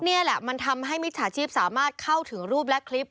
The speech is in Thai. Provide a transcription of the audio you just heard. นี่แหละมันทำให้มิจฉาชีพสามารถเข้าถึงรูปและคลิป